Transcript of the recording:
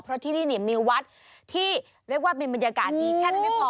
เพราะที่นี่มีวัดที่เรียกว่าเป็นบรรยากาศดีแค่นั้นไม่พอ